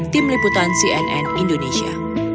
tim liputan cnn indonesia